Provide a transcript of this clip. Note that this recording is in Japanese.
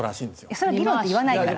それは議論って言わないから。